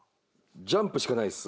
ジャンプしかないです